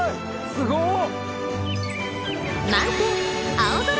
すごっ！